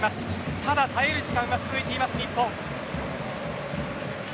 ただ耐える時間も続いています、日本。